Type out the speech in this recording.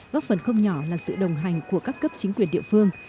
góp phần không nhỏ là sự đồng hành của các cấp chính quyền địa phương